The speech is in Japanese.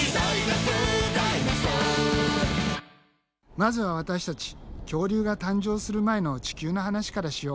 まずは私たち恐竜が誕生する前の地球の話からしよう。